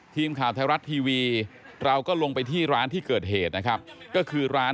ทีมข่าวไทยรัฐทีวีเราก็ลงไปที่ร้านที่เกิดเหตุนะครับก็คือร้าน